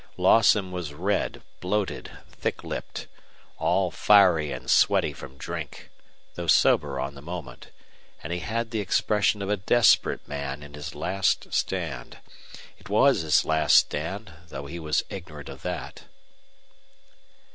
Lawson was red, bloated, thick lipped, all fiery and sweaty from drink, though sober on the moment, and he had the expression of a desperate man in his last stand. It was his last stand, though he was ignorant of that.